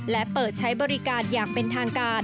และเปิดใช้บริการอย่างเป็นทางการ